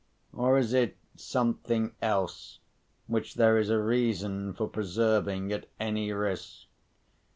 or is it something else which there is a reason for preserving at any risk?